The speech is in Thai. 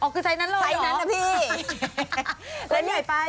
อ๋อคือไซส์นั้นเลยเหรอไซส์นั้นนะพี่